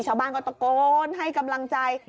ชาวบ้านก็ตะโกนให้กำลังใจ